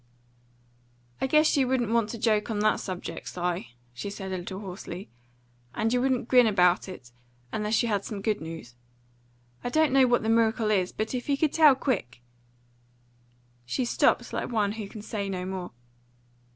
"I guess you wouldn't want to joke on that subject, Si," she said, a little hoarsely, "and you wouldn't grin about it unless you had some good news. I don't know what the miracle is, but if you could tell quick " She stopped like one who can say no more.